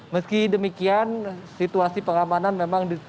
meski demikian situasi pengamanan memang diperlukan